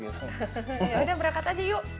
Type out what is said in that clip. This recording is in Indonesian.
yaudah berangkat aja yuk